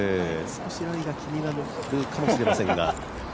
少しライが気になるかもしれませんが。